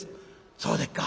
「そうでっか。